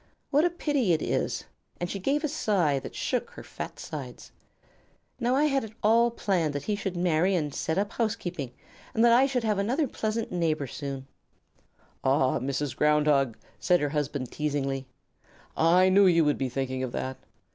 What a pity it is!" and she gave a sigh that shook her fat sides. "Now, I had it all planned that he should marry and set up housekeeping, and that I should have another pleasant neighbor soon." "Ah! Mrs. Ground Hog," said her husband teasingly, "I knew you would be thinking of that.